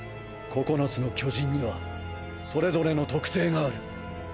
「九つの巨人」にはそれぞれの特性がある。